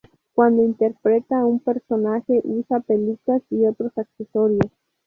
Cuando interpreta a un personaje, usa pelucas y otros accesorios.